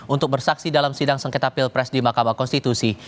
untuk bersaksi dalam sidang sengketa pilpres di mahkamah konstitusi